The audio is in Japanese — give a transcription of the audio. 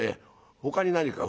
ほかに何か？」。